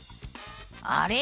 あれ？